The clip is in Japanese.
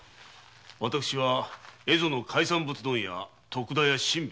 私は蝦夷の海産物問屋・徳田屋新兵衛。